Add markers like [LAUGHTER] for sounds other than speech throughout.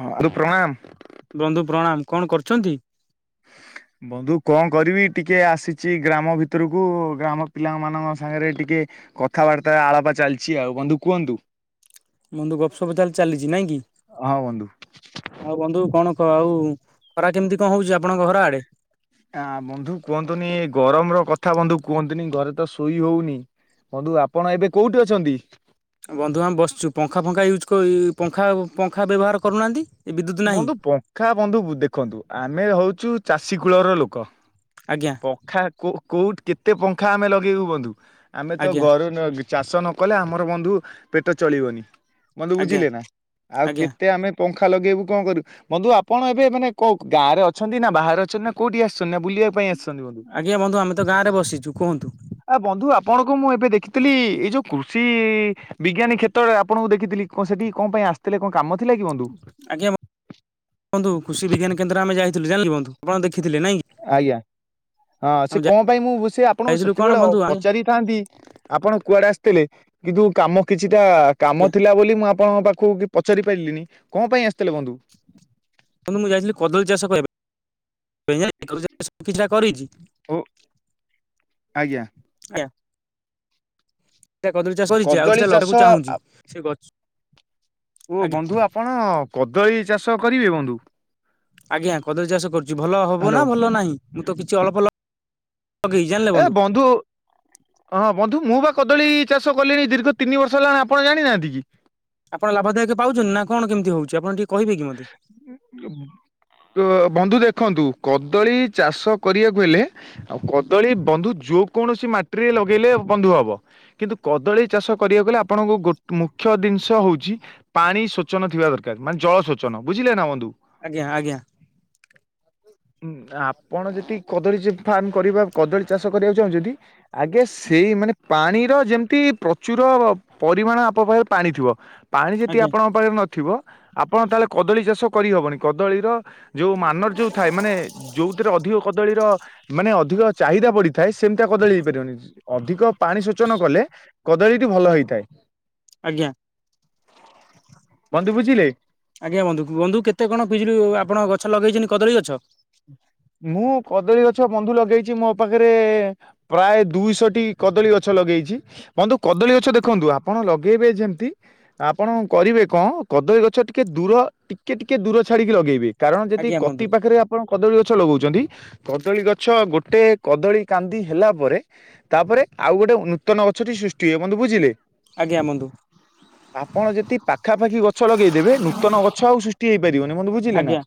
ହଁ ଆରୁ ପ୍ରଣାମ। ବନ୍ଧୁ ପ୍ରଣାମ କଣ କରୁଛନ୍ତି? ହ ବନ୍ଧୁ କଣ କରିବି ଟିକେ ଆସିଛି ଗ୍ରାମ ଭିତରକୁ, ଗ୍ରାମ ପିଲା ମାନଙ୍କ ସାଙ୍ଗରେ ଟିକେ କଥାବାର୍ତ୍ତା ଆଳାପ ଚାଲିଛି ଆଉ, ବନ୍ଧୁ କୁହନ୍ତୁ ବନ୍ଧୁ ଗପ ସପ ତାହଲେ ଚାଲିଛି ନାଇଁ କି ହଁ ବନ୍ଧୁ। ଆଉ, ବନ୍ଧୁ କଣ? ଆଉ ଖରା କେମିତି କଣ ହଉଛି ଆପଣଙ୍କ ଘର ଆଡେ? ଆ ବନ୍ଧୁ କୁହନ୍ତୁନି ଗରମର କଥା ବନ୍ଧୁ କୁହନ୍ତୁନି, ଘରେ ତ ଶୋଇ ହଉନି। ବନ୍ଧୁ ଆପଣ ଏବେ କୋଉଠି ଅଛନ୍ତି? ବନ୍ଧୁ ଆମେ ବସିଛୁ ପଙ୍ଖା ଫଖା ୟୁଜ୍ ପଖା ପଙ୍ଖା ବ୍ୟବହାର କରୁନାହାଁନ୍ତି। ବନ୍ଧୁ ପଙ୍ଖା ବନ୍ଧୁ ଦେଖନ୍ତୁ ଆମେ ହଉଛୁ, ଚାଷୀ କୂଳର ଲୋକ ଆଜ୍ଞା ପଙ୍ଖା କୋଉଠି, କେତେ ପଙ୍ଖା ଆମେ ଲଗେଇବୁ ବନ୍ଧୁ? ଆମେ ତ ଆଜ୍ଞା ଘରୁ ଚାଷ ନ କଲେ, ଆମର ବନ୍ଧୁ ପେଟ ଚଳିବନି, ବନ୍ଧୁ ଆଜ୍ଞା ବୁଝିଲେ ନା, ଆଉ ଆଜ୍ଞା କେତେ ଆମେ ପଙ୍ଖା ଲଗେଇବୁ କଣ କରିବୁ, ବନ୍ଧୁ ଆପଣ ଏବେ ମାନେ କ ଗାଁରେ ଅଛନ୍ତି ନା ବାହାରେ ଅଛନ୍ତି ନା କୋଉଠି ଆସୁ ବୁଲିବା ପାଇଁ ଆସିଛନ୍ତି ବନ୍ଧୁ, ଆଜ୍ଞା ବନ୍ଧୁ ଆମେ ତ ଗାଁରେ ବସିଛୁ କୁହନ୍ତୁ ବନ୍ଧୁ ଆପଣଙ୍କ ମୁଁ ଏବେ ଦେଖି ଥିଲି, ଏଇ ଯୋଉ କୃଷି ବିଜ୍ଞାନୀ କ୍ଷେତ୍ରରେ ଆପଣଙ୍କୁ ଦେଖିଥିଲି, ସେଠି କଣ ପାଇଁ ଆସିଥିଲେ କଣ କାମ ଥିଲା କି ବନ୍ଧୁ? ଆଜ୍ଞା ବନ୍ଧୁ, କୃଷି ବିଜ୍ଞାନ କେନ୍ଦ୍ର ଆମେ ଯାଇଥିଲୁ ଜାଣିଲେ ବନ୍ଧୁ, ଆପଣ ଦେଖ ଦେଖିଥିଲେ ନାଇଁ ଆଜ୍ଞା ହଁ, ସେ ଆମେ କଣ ପାଇଁ ମୁଁ ସେ ଆପଣଙ୍କୁ ଯାଇଥିଲୁ କଣ ସେତେବେଳେ ବନ୍ଧୁ ବନ୍ଧୁ ପଚାରିଥାନ୍ତି, ଆପଣ କୁଆଡେ ଆସି ଥିଲେ କିନ୍ତୁ କାମ କିଛିଟା କାମ ଥିଲା ବୋଲି ମୁଁ ଆପଣଙ୍କ ପାଖକୁ କି ପଚାରି ପାରିଲିନି, କଣ ପାଇଁ ଆସିଥିଲେ ବନ୍ଧୁ? ନ୍ତୁ ମୁଁ ଯାଇଥିଲି କଦଳୀ ଚାଷ କହିବ କିଛିଟା କରିଛି। ଓ ଆଜ୍ଞା। ସେଇଟା କଦଳୀ ଚାଷ ସରିଛି ଆଉ କଦଳୀ ସେଟା ଲଗବାକୁ ଚାଷ ଚାହୁଁଛି, ସେ ଗଛ ଓ ଆଜ୍ଞା ବନ୍ଧୁ ଆପଣ କଦଳୀ ଚାଷ କରିବେ ବନ୍ଧୁ ଆଜ୍ଞା, କଦଳୀ ଚାଷ କରୁଛି, ଭଲ ହବ ହ୍ୟାଲୋ। ନା ଭଲ ନାହିଁ ମୁଁ ତ କିଛି ଅଳ୍ପ ଲଗେଇଛି ଜାଣିଲେ ଏ ବନ୍ଧୁ, ହଁ ବନ୍ଧୁ ମୁଁ ପାଖ କଦଳୀ ଚାଷ କଲିଣି ଦୀର୍ଘ ତିନି ବର୍ଷ ହେଲାଣି, ଆପଣ ଜାଣିନାହାନ୍ତି କି? ଆପଣ ଲାଭଦାୟକ ପାଉଛନ୍ତି ନା କଣ କେମିତି ହଉଛି? ଆପଣ ଟିକେ [INAUDIBLE] କହିବେ କି ମତେ ଅ ବନ୍ଧୁ ଦେଖ ଦେଖନ୍ତୁ, କଦଳୀ ଚାଷ କରିବାକୁ ହେଲେ ଆଉ କଦଳୀ ବନ୍ଧୁ ଯ କୌଣସି ମାଟିରେ ଲଗେଇଲେ ବନ୍ଧୁ ହବ। କିନ୍ତୁ କଦଳୀ ଚାଷ କରିବାକୁ ଗଲେ, ଆପଣଙ୍କୁ ଗୋ ମୁଖ୍ୟ ଜିନିଷ ହଉଛି -ପାଣି ସୋଚନ ଥିବା ଦରକାର। ମାନେ ଜଳ ସୋଚନ, ବୁଝିଲ ନା ବନ୍ଧୁ। ଆଜ୍ଞା, ଆଜ୍ଞା। [INAUDIBLE] ଆପଣ ଯେ କଦଳୀ ଫାର୍ମ କରିବା, କଦଳୀ ଚାଷ କରିବାକୁ ଚାହୁଁଚନ୍ତି, ଆଗେ ସେଇ ମାନେ ପାଣିର ଯେମିତି ପ୍ରଚୁର ପରିମାଣ, ଆପ ପାଖରେ ପାଣି ଥିବ। ପାଣି ଯଦି ଆଜ୍ଞା ଆପଣଙ୍କ ପାଖରେ ନଥିବ, ଆପଣ ତାହେଲେ କଦଳୀ ଚାଷ କରିହେବନି, କଦଳୀର ଯେଉଁ ମାନର ଯେଉଁ ଥାଏ, ମାନେ ଯେଉଁଥିରେ ଅଧିକ କଦଳୀର ମାନେ ଅଧିକ ଚାହିଦା ପଡିଥାଏ, ସେମିତିଆ କଦଳୀ ହେଇପାରିବନି, ଅଧିକ ପାଣି ସୋଚନ କଲେ କଦଳୀ ସେଇଠି ଭଲ ହେଇଥାଏ। ଆଜ୍ଞା ବନ୍ଧୁ ବୁଝିଲେ। [INAUDIBLE] ଆଜ୍ଞା ବନ୍ଧୁ। ବନ୍ଧୁ କେତେ କଣ ପିଜୁଳି, ଆପଣ ଗଛ ଲଗେଇଛନ୍ତିଛନ୍ତି କଦଳୀ ଗଛ? ମୁଁ କଦଳୀ ଗଛ ବନ୍ଧୁ ଲଗେଇଛି, ମୋ ପାଖରେ ପ୍ରାୟ ଦୁଇଶଟି କଦଳୀ ଗଛ ଲଗେଇଛି, ବନ୍ଧୁ କଦଳୀ ଗଛ ଦେଖନ୍ତୁ ଆପଣ ଲଗେଇବେ ଯେମତି, ଆପଣ କରିବେ କ କଦଳୀ ଗଛ ଟିକେ ଦୂର, ଟିକେ ଟିକେ, ଦୂର ଛାଡିକି ଲଗେଇବେ କାରଣ ଯଦି ଆଜ୍ଞା କତି ବନ୍ଧୁ। ପାଖରେ ଆପଣ କଦଳୀ ଗଛ ଗଛ ଲଗଉଛନ୍ତି, କଦଳୀ ଗଛ ଗୋଟେ କଦଳୀ କାନ୍ଦି ହେଲା ପରେ ତାପରେ ଆଉ ଗୋଟେ [UNINTELLIGIBLE] ନୂତନ ଗଛ ସୃଷ୍ଟି ହୁଏ ବନ୍ଧୁ ବୁଝିଲେ ଆଜ୍ଞା ବନ୍ଧୁ [INAUDIBLE] ଆପଣ ଯଦି ପାଖାପାଖି ଗଛ ଲଗେଇଦେବେ, ନୂତନ ଗଛ ଆଉ ସୃଷ୍ଟି ହେଇପାରିବନି, ବନ୍ଧୁ ବୁଝିଲେ ନା ଆଜ୍ଞା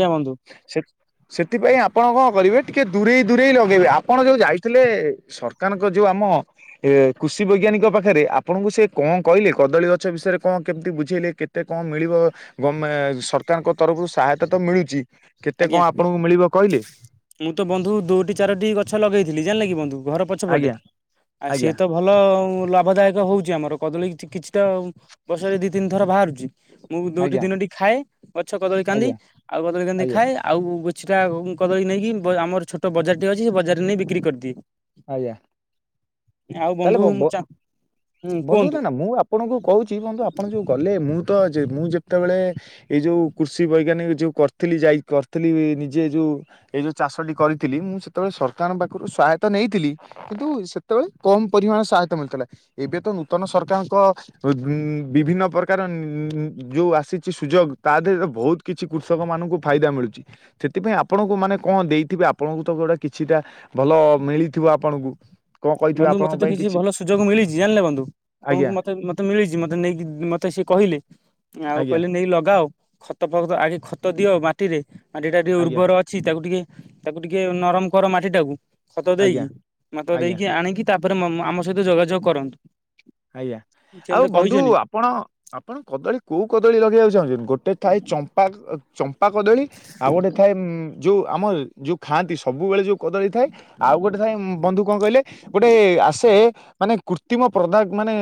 [UNINTELLIGIBLE] ବନ୍ଧୁ ସେ ସେଥିପାଇଁ ଆପଣ କଣ କରିବେ, ଟିକେ ଦୂରେଇ ଦୂରେଇ ଲଗେଇବେ, ଆପଣ ଯୋଉ ଯାଇଥିଲେ ସରକାରଙ୍କ ଯଉଁ ଆମ ଏ କୃଷି ବୈଜ୍ଞାନିକଙ୍କ ପାଖରେ ଆପଣଙ୍କୁ ସେ କଣ କହିଲେ, କଦଳୀ ଗଛ ବିଷୟରେ କଣ କେମିତି ବୁଝେଇଲେ କେ କେତେ କଣ ମିଳିବ ଗ ସରକାରଙ୍କ ତରଫରୁ ସହାୟତା ତ ମିଳୁଛି, କେତେ ଆଜ୍ଞା। କଣ ଆପଣଙ୍କୁ ମିଳିବ କହିଲେ ମୁଁ ତ ବନ୍ଧୁ ଦୁଇଟି ଚାରୋଟି ଗଛ ଲଗେଇଥିଲି ଜାଣିଲ କିି ବନ୍ଧୁ ଘର ପଚ ଆଜ୍ଞା [UNINTELLIGIBLE] ଆଜ୍ଞା ଲାଭଦାୟକ ହଉଛି ଆମର, କଦଳୀ କିଛିଟା ବର୍ଷରେ ଦି ତିନି ଥର ବାହାରୁଛି। ମୁଁ ଦୁଇଟି ଆଜ୍ଞା ତିନୋଟି ଖାଏ ଗଛ କଦଳୀ କାନ୍ଦି ଆଜ୍ଞା ଆଉ କଦଳୀ କାନ୍ଦି ଆଜ୍ଞା ଖାଏ ଆଉ କିଛିଟା ଉଁ କଦଳୀ ନେଇକି ଆମର ଛୋଟ ବଜାର ଟିଏ ଅଛି ସେ ବଜାରରେ ନେଇ ବିକ୍ରି କରିଦିଏ। ଆଜ୍ଞା। ଆଉ ତାହେଲେ ବନ୍ଧୁ ବ ବ ଚା ହୁଁ ବନ୍ଧୁ କୁହନ୍ତୁ ନା ନା ମୁଁ ଆପଣଙ୍କୁ କହୁଛି ବନ୍ଧୁ ଆପଣ ଯୋଉ ଗଲେ ମୁଁ ତ ଯେ ମୁଁ ଯେତେବେଳେ ଏଇ ଯୋଉ କୃଷି ବୈଜ୍ଞାନିକ ଯୋଉ କରିଥିଲି ଯାଇ କରିଥିଲି ନିଜେ ଯୋଉ ଏଇ ଯୋଉ ଚାଷଟି କରିଥିଲି ମୁଁ ସେତେବେଳେ ସରକାରଙ୍କ ପାଖରୁ ସହାୟତା ନେଇଥିଲି କିନ୍ତୁ ସେତେବେଳେ କମ ପରିମାଣରେ ସହାୟତା ମିଳିଥିଲା ଏବେ ତ ନୂତନ ସରକାରଙ୍କ ଉମ ବିଭିନ୍ନ ପ୍ରକାର ଉମ ଯୋଉ ଆସିଛି ସୁଯୋଗ ତା ଦେହରେ ବହୁତ କିଛି କୃଷକ ମାନଙ୍କୁ ଫାଇଦା ମିଳୁଛି ସେଥିପାଇଁ ଆପଣ ଆ ମାନେ କଣ ଦେଇଥିବେ ଆପଣଙ୍କୁ ତ ଗୋଟେ କିଛିଟା ଭଲ ମିଳିଥିବ ଆପଣଙ୍କୁ କଣ କହିଥିବ ବନ୍ଧୁ ମତେ କିଛି ଭଲ ସୁଯୋଗ ମିଳିଛି ଜାଣିଲେ ବନ୍ଧୁ? ଆଜ୍ଞା ଆପଣଙ୍କୁ ମତେ ମତେ ମିଳିଛି ମତେ ନେଇକି ମତେ ସିଏ କହିଲେ ଆଉ ଆଜ୍ଞା କହିଲେ ନେଇକି ଲଗ ଲଗ ଖତ ଫକ ଆଗେ ଖତ ଦିଅ ମାଟିରେ ମାଟି ଟା ଟିକେ ଆଜ୍ଞା ଉର୍ବର ଅଛି ତାକୁ ଟିକେ ତାକୁ ଟିକେ ନରମ କର ମାଟି ଟାକୁ ଖତ ଆଜ୍ଞା ଦେଇକି ମାତ ଆଜ୍ଞା ଦେଇକି। ଆଣିକି ତାପରେ ଆମ ସହିତ ଯୋଗାଯୋଗ କରନ୍ତୁ। ଆଜ୍ଞା। ସେ ଆଉ ମତେ ବନ୍ଧୁ କହିଛନ୍ତି ଆପଣ ଆପଣ କଦଳୀ କୋଉ କଦଳୀ ଲଗେଇବାକୁ ଚାହୁଁଛନ୍ତି ଗୋଟେ ଥାଏ ଚମ୍ପା ଚମ୍ପା କଦଳୀ ଆଉ ଗୋଟେ ଥାଏ ଯୋଉ ଆମର ଯୋଉ ଖାଆନ୍ତି ସବୁବେଳେ ଯୋଉ କଦଳୀ ଥାଏ ଆଉ ଗୋଟେ ଥାଏ ବନ୍ଧୁ କଣ କହିଲେ ଗୋଟେ ଆସେ ମାନେ କୃତ୍ରିମ ପଦା ମାନେ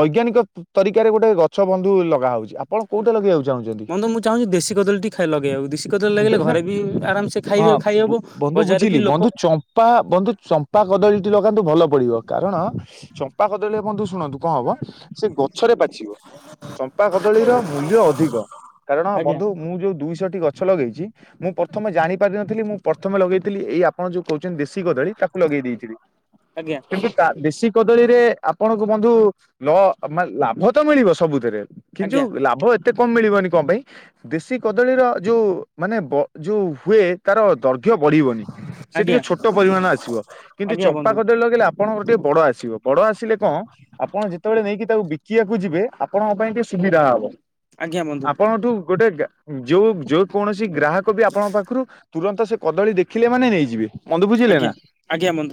ବୈଜ୍ଞାନିକ ତରିକାରେ ଗୋଟେ ଗଛ ବନ୍ଧୁ ଲଗା ହଉଛି। ଆପଣ କୋଉଟା ଲଗେଇବାକୁ ଚାହୁଁଛନ୍ତି? ବନ୍ଧୁ ମୁଁ ଚାହୁଁଛି ଦେଶୀ କଦଳୀ ଟିକେ ଖାଇ ଲଗେଇବାବକୁ ଦେଶୀ କଦଳୀ ଦେ- ଲଗେଇଲେ ନା ଘରେ ବି ଆରାମସେ ଖାଇବେ। ଖାଇହବ ବନ୍ଧୁ ବଜାରରେ ବି ବୁଝିଲି ଲୋକ ବନ୍ଧୁ ଚମ୍ପା ବନ୍ଧୁ ଚମ୍ପା କଦଳୀଟି ଲଗାନ୍ତୁ ଭଲ ପଡିବ କାରଣ ଚମ୍ପା କଦଳ ବୁ ଶୁଣନ୍ତୁ କଣ ହବ ସେ ଗଛରେ ପାଛିବ ଚମ୍ପା କଦଳୀର ମୂଲ୍ୟ ଅଧିକ। କାରଣ ଆଜ୍ଞା ବନ୍ଧୁ ମୁଁ ଯୋଉ ଦୁଇଶହ ଟି ଗଛ ଗଛ ଲଗେଇଛି ମୁଁ ପ୍ରଥମେ ଜାଣିପାରିିନଥିଲି ମୁଁ ପ୍ରଥମେ ଲଗେଇଥିଲି ଏଇ ଆପଣ ଯୋଉ କହୁଛନ୍ତି ଦେଶୀ ଗଦଳୀ ତାକୁ ଲଗେଇ କିନ୍ତୁ ଆଜ୍ଞା ଦେଶୀ କଦଳୀରେ ଆପଣଙ୍କୁ ବନ୍ଧୁ ଲ ଲାଭ ତ ମିଳିବ ସବୁଥିରେ କିନ୍ତୁ ଆଜ୍ଞା ଲାଭ। ଏତେ କମ ମିଳିବନି କଣ ପାଇଁ ଦେଶୀ କଦଳୀର ଯୋଉ ମାନେ ଯୋଉ ହୁଏ। ତାର ଦୈର୍ଘ୍ୟ ବଢିବନି ସେ ଆଜ୍ଞା ଟିକେ ଛୋଟ ପରିମାଣ ଆସିବ କିନ୍ତୁ ଆଜ୍ଞା ଚମ୍ପା ବନ୍ଧୁ କଦଳୀ ଲଗେଇଲେ ଆପଣଙ୍କ ଗୋଟେ ବଡ ଆସିବ ବଡ ଆସିବ। ଆ କଣ ଆପଣ ଯେତେବେଳେ ନେଇକି ତାକୁ ବିକିବାକୁ ଯିବେ ଆପଣଙ୍କ ପାଇଁ ଟିକେ ସୁବିଧା ହବ। ଆଜ୍ଞା ବନ୍ଧୁ ଆପଣଠୁ ଗୋଟେ ଯୋଉ ଯୋଉ କୌଣସି ଗ୍ରାହକ ବି ଆପଣଙ୍କ ପାଖରୁ ତୁରନ୍ତ ସେ କଦଳୀ ଦେଖିଲେ ମାନେ ନେଇଯିବେ। ବନ୍ଧୁ ବୁଝିଲେ ଆଜ୍ଞା ନା ଆଜ୍ଞା ବନ୍ଧୁ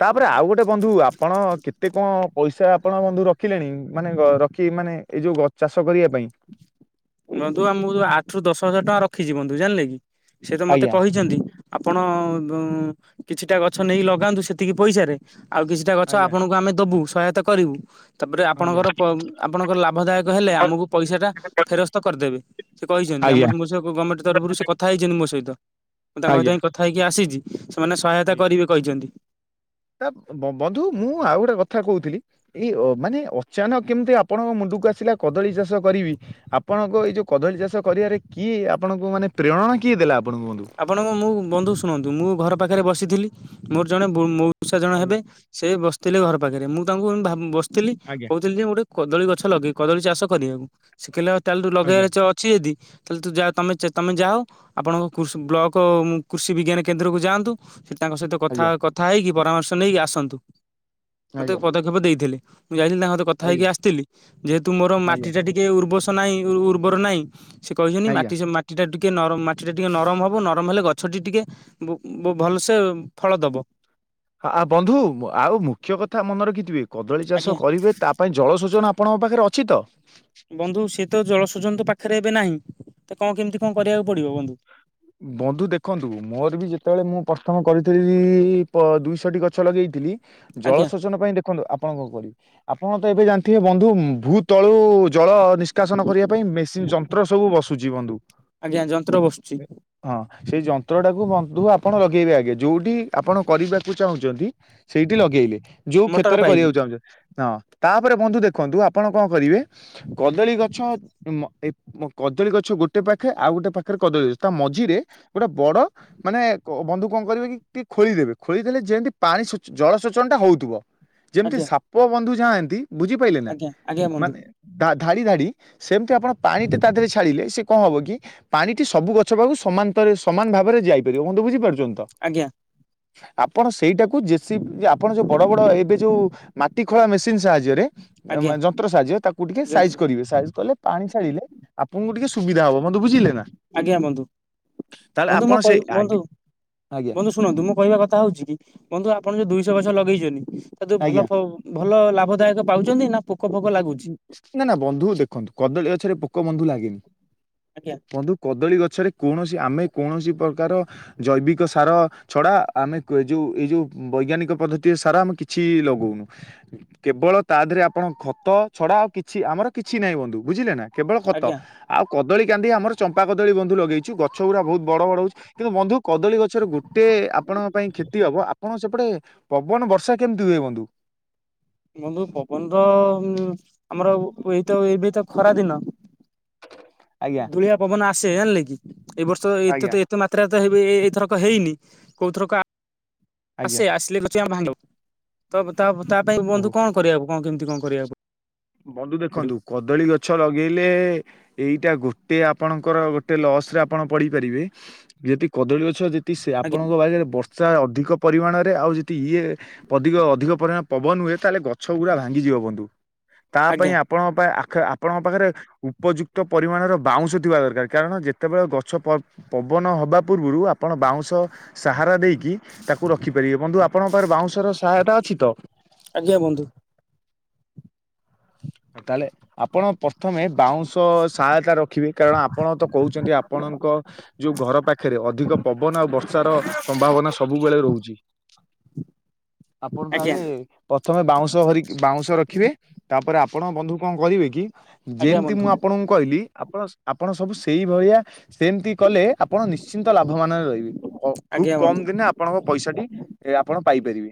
ତାପରେ ଆଉ ଗୋଟେ ବନ୍ଧୁ ଆପଣ କେତେ କଣ ପଇସା ଆପଣ ବନ୍ଧୁ ରଖିଲେଣି ମାନେ ରଖି ମାନେ ଏଇ ଯୋଉଛ ଚାଷ କରିବା ପାଇଁ? ବନ୍ଧୁ ଆମକୁ ଯୋଉ ଆଠ ରୁ ଦଶ ହଜାର ଟଙ୍କା ରଖିଛି ବନ୍ଧୁ ଜାଣିଲେ କି? ସେ ତ ମତେ ଆଜ୍ଞା। କହିଛନ୍ତି ଆପଣ ଦୋ କିଛିଟା ଗଛ ନେଇ ଲଗାନ୍ତୁ ସେତିକି ପଇସାରେ ଆଉ କିଛିଟା ଗଛ ଆଜ୍ଞା ଆପଣଙ୍କୁ ଆମେ ଦବୁ ସହାୟତା କରିବୁ। ତାପରେ ଆଜ୍ଞା। ଆପଣଙ୍କର ଆପଣଙ୍କର ଲାଭଦାୟକ ହେଲେ ଆମକୁ ପଇସା ଟା ଫେରସ୍ତ କରିଦେବେ ସେ କହିଛନ୍ତି ଆମ ଆଜ୍ଞା ମ ସହି ଗଭର୍ଣ୍ଣମେଣ୍ଟ ତରଫରୁ ସେ କଥା ହେଇଛନ୍ତି ମୋ ସହିତ। ମୁଁ ତାଙ୍କ ସହିତ ଆଜ୍ଞା ପାଇଁ କଥା ହେଇକି ଆସିଛି। ସେମାନେ ସହାୟତା ଆଜ୍ଞା କରିବେ କହିଛନ୍ତି। ତା ବନ୍ଧୁ ମୁଁ ଆଉ ଗୋଟେ କଥା କହୁଥିଲି ଏଇ ମାନେ ଅଚାନକ କେମିତି ଆପଣଙ୍କ ମୁଣ୍ଡ ଆସିଲା କଦଳୀ ଚାଷ କରିବି ଆପଣଙ୍କ ଏଇ ଯଉ କଦଳୀ ଚାଷ କରିବାରେ କି ଆପଣଙ୍କୁ ମାନେ ପ୍ରେରଣା କିଏ ଦେଇ ଥିଲା। ଆପଣଙ୍କ ମୁଁ ବନ୍ଧୁ ଶୁଣନ୍ତୁ ମୁଁ ଘର ପାଖରେ ବସିଥିଲି ମୋର ଜଣେ ବନ୍ଧୁ ପୁଷା ଜଣ ଆଜ୍ଞା ହେବେ ସେ ବସିଥିଲେ ଘର ପାଖରେ ମୁଁ ତାଙ୍କୁ ବସିଥିଲି ଆଜ୍ଞା କହୁଥିଲି ଯେ କଦଳୀ ଗଛ ଲଗେଇ କଦଳୀ ଚାଷ କରିବାକୁ ଶିଖିଲ ତାଲୁ ଆଜ୍ଞା ଲଗେଇବାରେ ଅଛି ଯଦି ତାହେଲେ ଯମେ ତମେ ଯା ହ ଆପଣଙ୍କ ବ୍ଲକ କୃଷି ବିଜ୍ଞାନ କେନ୍ଦ୍ରକୁ ଯାଆନ୍ତୁ ସେ ତାଙ୍କ ସହିତ କଥା ଆଜ୍ଞା କଥା ହେଇକି ପରାମର୍ଶ ନେଇକି ଆସନ୍ତୁ ମୋତେ ଆଜ୍ଞା ପଦକ୍ଷେପ ଦେଇଥିଲେ। ମୁଁ ଯାଇଥିଲି ତାଙ୍କ ସହିତ କଥା ହେଇକି ଆଜ୍ଞା ଆସିଥିଲି ଯେହେତୁ ମୋର ଆଜ୍ଞା। ମାଟିଟା ଟିକେ ଉର୍ବସ ନାହିଁ ଉର୍ବର ନାହିଁ ସେ କହିଛନ୍ତି ଆଜ୍ଞା। ମାଟି ମାଟି ଟା ଟିକେ ନରମ ମାଟି ଟା ଟିକେ ନରମ ହବ ନରମ ହେଲେ ଗଛଟି ଟିକେ ଭଲସେ ଫଳ ଦବ। ହ ବନ୍ଧୁ ଆଉ ମୁଖ୍ୟ କଥା ମନେ ରଖିଥିବେ କଦଳୀ ଚାଷ ଆଜ୍ଞା କରିବେ ତାପାଇଁ ଜଳସେଚନ ଆପଣଙ୍କ ପାଖରେ ଅଛି ତ? ଶନ୍ତୁ ପାଖରେ ଏବେ ନାହିଁ ତ କଣ କେମିତି କଣ କରିବାକୁ ପଡିବ ବନ୍ଧୁ। ବନ୍ଧୁ ଦେଖନ୍ତୁ ମୋର ବି ଯେତେବେଳେ ମୁଁ ପ୍ରଷ୍ଟମ କରିଥିଲି ଦୁଇଶଟି ଗଛ ଲଗେଇଥିଲି ଆଜ୍ଞା ଜଳସେଚନ ପାଇଁ ଦେଖନ୍ତୁ ଆପଣ କଣ କରିବେ ଅପ ଆପଣ ତ ଏବେ ଜାଣିଥିବେ ବନ୍ଧୁ ଭୂ ତଳୁ ଜଳ ନିଷ୍କାସନ କରିବା ପାଇଁ ମେସିନ୍ ଯନ୍ତ୍ର ସବୁ ବସୁଛି ବନ୍ଧୁ। ଆଜ୍ଞା ଯନ୍ତ୍ର ବସୁଛି। ହଁ ସେଇ ଯନ୍ତ୍ର ଟାକୁ ବନ୍ଧୁ ଆପଣ ଲଗେଇବେ ଆଗେ ଯୋଉଠି ଆପଣ କରିବାକୁ ଚାହୁଁଛନ୍ତି ସେଇଠି ଲଗେଇଲେ। ଯୋଉ ମଟର କ୍ଷେତରେ ପାଇବି କରିବାକୁ ଚାହୁଁଛ ହଁ ତାପରେ ବନ୍ଧୁ ଦେଖନ୍ତୁ ଆପଣ କଣ କରିବେ କଦଳୀ ଗଛ କଦଳୀ ଗଛ ଗୋଟେ ପାଖେ ଆଉ ଗୋଟେ ପାଖରେ କଦଳୀ ଗଛ ତା ମଝିରେ ଗୋଟେ ବଡ ମାନେ ବନ୍ଧୁ କଣ କରିବେ କି ଟିକେ ଖୋଳିଦେବେ ଖୋଳିଦେଲେ ଯେମିତି ପାଣି ପାଣି ଜଳସେଚନଟା ହେଉଥିବ। ଯେମିତି ଆଜ୍ଞା ସାପ ବନ୍ଧୁ ଯାହାନ୍ତି ବୁଝିପାରିଲେ ନା ଆଜ୍ଞା ଆଜ୍ଞା ବନ୍ଧୁ ମାନେ ଧାଡ଼ି ଧା ସେମିତି ଆପଣ ପାଣି ତା ଦେହରେ ଛାଡ଼ିଲେ ସେ କଣ ହବ କି ପାଣିଟି ସବୁ ଗଛ ଗଛ ପାକୁ ସମାନରେ ସମାନ ଭାବରେ ଯାଇପାରିବ ବନ୍ଧୁ ବୁଝି ପରୁଚନ୍ତି ତ। ଆଜ୍ଞା ଆପଣ ସେଇଟାକୁ ଜେଶି ଆପଣ ଯୋଉ ବଡ ବଡ ଏବେ ଯୋଉ ମାଟି ଖଳା ସାହାଯ୍ୟରେ ଆଜ୍ଞା ଯନ୍ତ ସାହାଯ୍ୟ ତାକୁ ଟିକେ ସାଇଜ ଯନ୍ତ୍ର କରିବେ ସାଇଜ କଲେ ପାଣି ଛଡ଼ିଲେ ଆପଣଙ୍କୁ ଟିକେ ସୁବିଧା ହବ ବନ୍ଧୁ ବୁଝିଲେ ନା। ଆଜ୍ଞା ବନ୍ଧୁ। ତାହେଲେ ବନ୍ଧୁ ଆପଣ ମୁଁ ସେଇ କହି ଆଗେ ବନ୍ଧୁ ଆଜ୍ଞା ବନ୍ଧୁ ଶୁଣନ୍ତୁ ମୁଁ କହିବା କଥା ହଉଛି କି ବନ୍ଧୁ ଆପଣ ଯୋଉ ଦୁଇଶହ ଗଛ ଲଗେଇଛନ୍ତି ତା ଭଲ ଆଜ୍ଞା। ଭଲ ଲାଭଦାୟକ ପାଉଛନ୍ତି ନା ଫୋକ ଲାଗୁଛି? ନା ନା ବନ୍ଧୁ ଦେଖନ୍ତୁ କଦଳୀ ଗଛରେ ପୋକ ବନ୍ଧୁ ଲାଗେନି। ଆଜ୍ଞା। ବନ୍ଧୁ କଦଳୀ ଗଛରେ କୌଣସି ଆମେ କୌଣସି ପ୍ରକାର ଜୈବିକ ସାର ଛଡ଼ା ଆମେ ଯେଉଁ ଏଇ ଯେଉଁ ବୈଜ୍ଞାନିକ ପଦ୍ଧତି ସାରା ଆମେ କିଛି ଲଗାଉନୁ କେବଳ ଳ ତା ଦେହରେ ଆପଣ ଖତ ଛଡା ଆଉ କିଛି ଆମର କିଛି ନାହିଁ ବନ୍ଧୁ ବୁଝିଲେ ନା କେବଳ ଖତ ଆଜ୍ଞା ଆଉ କଦଳୀ କାନ୍ଦି ଆମ ଚମ୍ପା କଦଳୀ ବନ୍ଧୁ ଲଗେଇଛୁ ଗଛ ଗୁଡ଼ା ବହୁତ ବଡ଼ ବଡ଼ ହେଉଛି କିନ୍ତୁ ବନ୍ଧୁ କଦଳୀ ଗଛରେ ଗୋଟେ ଆପଣଙ୍କ ପାଇଁ କ୍ଷତି ହବ ଆପଣ ସେପଟେ ପବନ ବର୍ଷା କେମିତି ହୁଏ ବନ୍ଧୁ? ବନ୍ଧୁ ପବନ ତ ଆମର ଏଇତ ଏଇବେ ତ ଖରା ଦିନ ଆଜ୍ଞା ଧୁଳିଆ ପବନ ଆସେ ଜାଣିଲେ କି ଏଇ ବର୍ଷ ଏତେ ତ ଆଜ୍ଞା ଏତେ ମାତ୍ରାରେ ହେ ଏଇଥରକ ହେଇନି କୋଉଥରକ ଆଜ୍ଞା ଆସେ ଆସିଲେ ଆ ଭାଙ୍ଗ ତ ତା ତା ପାଇଁ ଓହୋ ବନ୍ଧୁ କଣ କରିବାକୁ କଣ କେମିତି କଣ କରିବାକୁ ବନ୍ଧୁ ପଡିବ ଦେଖନ୍ତୁ କଦଳୀ ଗଛ ଲଗେଇଲେ ଏଇଟା ଗୋ ତେ ଆପଣଙ୍କର ଗୋଟେ ଲସ ରେ ଆପଣ ପଡିପାରିବେ ଯଦି କଦଳୀ ଗଛ ସେ ଆଜ୍ଞା ଆପଣଙ୍କ ବାାଇରେ ବର୍ଷା ଅଧିକ ପରିମାଣରେ ଆଉ ଯଦି ଇଏ ଅଧିକ ଅଧିକ ପରିମାଣ ପବନ ହୁଏ ତାହେଲେ ଗଛ ଗୁଡ଼ା ଭାଙ୍ଗିଯିବ ବନ୍ଧୁ ତା ପାଇଁ ଆଜ୍ଞା ଆପଣଙ୍କ ଆ ଆପଣଙ୍କ ପାଖରେ ଉପଯୁକ୍ତ ପରିମାଣର ବାଉଁଶ ଥିବା ଦରକାର କାରଣ ଯେତେବେଳେ ଗଛ ପ ପବନ ହେବା ପୂର୍ବରୁ ଆପଣ ବାଉଁଶ ସାହାରା ଦେଇକି ତାକୁ ରଖିପାରିବେ ବନ୍ଧୁ ଆପଣଙ୍କ ପାଖରେ ବାଉଁଶର ସହାୟତା ଅଛି ତ? ଆଜ୍ଞା ବୁନ୍ଧୁ। ହ ତାହଲେ ଆପଣ ପ୍ରଥମେ ବାଉଁଶ ସହାୟତା ରଖିବେ କାରଣ ଆପଣ ତ କହୁଛନ୍ତି ଆପଣଙ୍କ ଯୋଉ ଘର ପାଖରେ ଅଧିକ ପବନ ଆଉ ବର୍ଷାର ସମ୍ଭାବନା ସବୁବେଳେ ରହୁଛି। ଆପଣ ଆଜ୍ଞା ତାହେଲେ ପ୍ରଥମେ ବାଉଁଶର ବାଉଁଶ ରଖିବେ ତାପରେ ଆପଣ ବନ୍ଧୁ କଣ କହିବେ କି ଆଜ୍ଞା ଯେମିତି ବନ୍ଧୁ ମୁଁ ଆପଣଙ୍କୁ କହିଲି ଆପଣ ଆପଣ ସବୁ ସେଇଭଳିଆ ସେମିତି କଲେ ଆପଣ ନିଶ୍ଚିନ୍ତ ଲାଭ ମାନରେ ରହିବେ ଖୁବ୍ ଆଜ୍ଞା କମ ବନ୍ଧୁ ଦିନେ ଆପଣଙ୍କ ପଇସା ଟି ଏ ଆପଣ ପାଇପାରିବେ।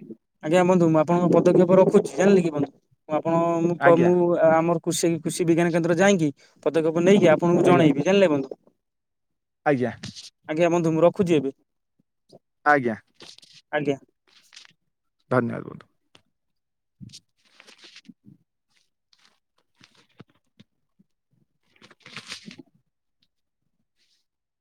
ଆଜ୍ଞା ବନ୍ଧୁ ମୁଁ ଆପଣଙ୍କ ପଦକ୍ଷେପ ରଖୁଛି ଜାଣିଲେ କି ବନ୍ଧୁ ମୁଁ ଆପଣ ଆଜ୍ଞା ମୁଁ ଆମର କୃଷି କୃଷି ବିଜ୍ଞାନ କେନ୍ଦ୍ର ଯାଇକି ପଦକ୍ଷେପ ନେଇକି ଆପଣଙ୍କୁ ଆଜ୍ଞା ଜଣେଇବି ଜାଣିଲେ ବନ୍ଧୁ। ଆଜ୍ଞା। ରଖୁଚି ଏବେ। ଆଜ୍ଞା। [INAUDIBLE] ଧନ୍ୟବାଦ୍ ବନ୍ଧୁ। [INAUDIBLE]